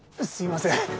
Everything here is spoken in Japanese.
すいません。